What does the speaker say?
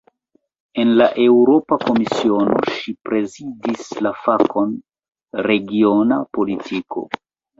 En la Eŭropa Komisiono, ŝi prezidis la fakon "regiona politiko".